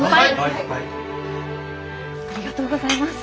ありがとうございます。